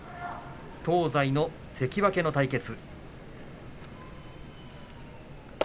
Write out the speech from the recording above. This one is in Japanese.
東西の関脇の対決。